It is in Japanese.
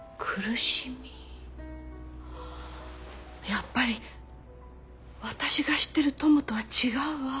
やっぱり私が知ってるトモとは違うわ。